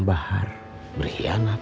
saya juga merasa berhianat